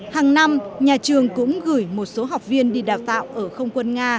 hàng năm nhà trường cũng gửi một số học viên đi đào tạo ở không quân nga